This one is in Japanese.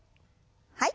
はい。